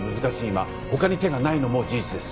今他に手がないのも事実です